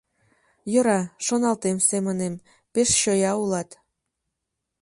Йӧра, шоналтем семынем, пеш чоя улат.